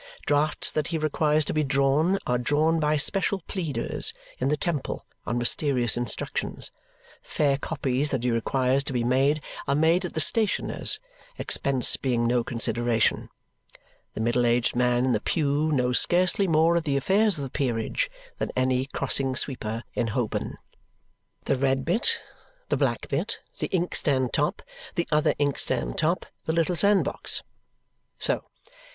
Drafts that he requires to be drawn are drawn by special pleaders in the temple on mysterious instructions; fair copies that he requires to be made are made at the stationers', expense being no consideration. The middle aged man in the pew knows scarcely more of the affairs of the peerage than any crossing sweeper in Holborn. The red bit, the black bit, the inkstand top, the other inkstand top, the little sand box. So!